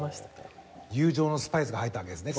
友情のスパイスが入ったわけですね